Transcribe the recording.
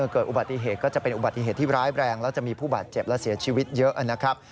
เกิดอุบัติเหตุก็จะเป็นอุบัติเหตุที่ร้ายแรงแล้วจะมีผู้บาดเจ็บและเสียชีวิตเยอะนะครับ